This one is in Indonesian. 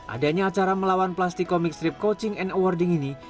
adanya acara melawan plastik comic strip coaching and awarding ini